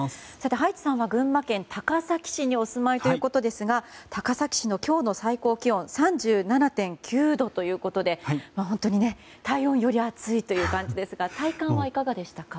葉一さんは群馬県高崎市にお住まいということですが高崎市の今日の最高気温は３７．９度ということで体温より暑いという感じですが体感はいかがでしたか？